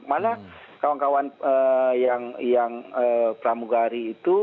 malah kawan kawan yang pramugari itu